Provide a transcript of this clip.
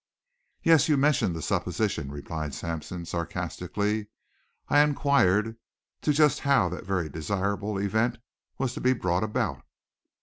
"Yes, you mentioned the supposition," replied Sampson sarcastically. "I inquired, too just how that very desired event was to be brought about."